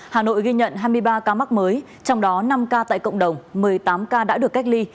hà nội ghi nhận hai mươi ba ca mắc mới trong đó năm ca tại cộng đồng một mươi tám ca đã được cách ly